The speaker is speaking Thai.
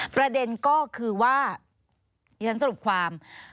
ประเด็นก็คือว่าดิฉันสรุปความ